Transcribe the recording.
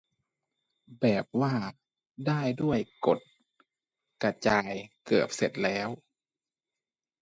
แบบว่า ได้ด้วย กด กระจาย เกือบเสร็จแล้ว